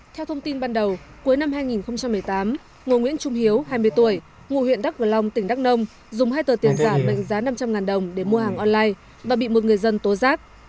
theo thông tin ban đầu cuối năm hai nghìn một mươi tám ngô nguyễn trung hiếu hai mươi tuổi ngụ huyện đắk cờ long tỉnh đắk nông dùng hai tờ tiền giả mệnh giá năm trăm linh đồng để mua hàng online và bị một người dân tố giác